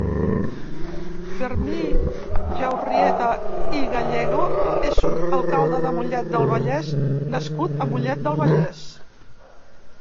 Fermí Jaurrieta i Gallego és un alcalde Mollet del Vallès nascut a Mollet del Vallès.